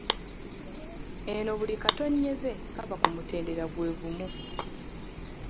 Eno buli katonnyeze kaba ku mutendera gwe gumu